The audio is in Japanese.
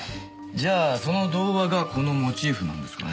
じゃあその童話がこのモチーフなんですかね？